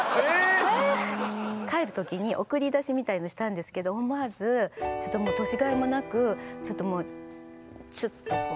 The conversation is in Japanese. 帰る時に送り出しみたいのしたんですけど思わずちょっともう年がいもなくちょっともうチュッとこう。